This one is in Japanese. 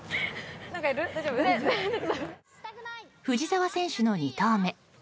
藤澤選手の２投目。